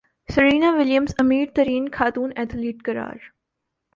Serena Williams امیر ترین خاتون ایتھلیٹ قرار